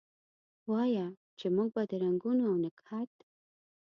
وایه! چې موږ به د رنګونو اونګهت،